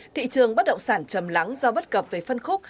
thị trường bất động sản chầm lắng do bất cập về phân khúc